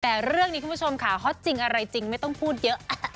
แต่เรื่องนี้คุณผู้ชมค่ะฮอตจริงอะไรจริงไม่ต้องพูดเยอะ